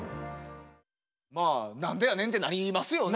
まあ何でやねんってなりますよね。